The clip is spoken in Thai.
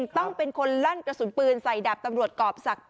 ต้องเป็นคนลั่นกระสุนปืนใส่ดาบตำรวจกรอบศักดิ